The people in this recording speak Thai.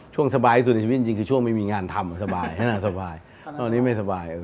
ช่วงสบายที่สุดในชีวิตจริงคือช่วงไม่มีงานทำสบายตอนนี้ไม่สบาย